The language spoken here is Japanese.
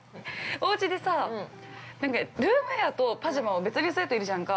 ◆おうちでさ、ルームウエアとパジャマを別にする人いるじゃんか。